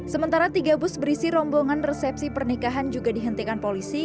sementara tiga bus berisi rombongan resepsi pernikahan juga dihentikan polisi